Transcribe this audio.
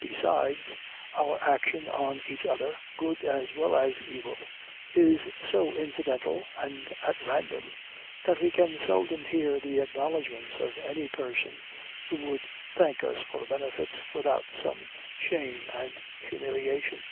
Besides, our action on each other, good as well as evil, is so incidental and at random, that we can seldom hear the acknowledgments of any person who would thank us for a benefit, without some shame and humiliation.